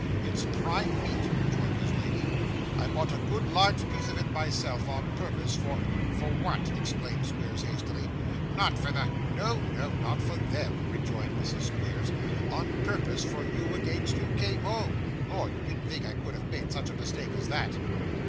'It's prime meat,' rejoined his lady. 'I bought a good large piece of it myself on purpose for ' 'For what!' exclaimed Squeers hastily. 'Not for the ' 'No, no; not for them,' rejoined Mrs. Squeers; 'on purpose for you against you came home. Lor! you didn't think I could have made such a mistake as that.